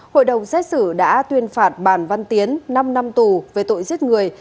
hội đồng xét xử đã tuyên phạt bàn văn tiến năm năm tù về tội giết người